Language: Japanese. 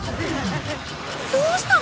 どうしたの！？